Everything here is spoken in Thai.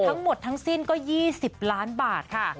ทั้งหมดทั้งสิ้นก็๒๐ล้านบาทค่ะ